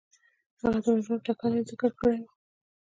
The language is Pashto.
هغه د وژلو تکل یې ځکه کړی وو.